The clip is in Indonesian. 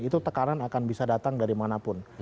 itu tekanan akan bisa datang dari mana pun